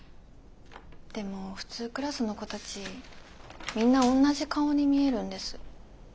でも普通クラスの子たちみんなおんなじ顔に見えるんです。